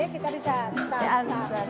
kita bisa tum tum tum